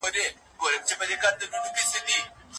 اداري پلاوی څنګه غوره کېږي؟